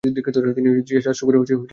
তিনি জিসর আশ-শুগুরে ধরা পড়েন।